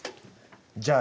じゃあ